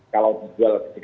kalau dijual lebih kecil ya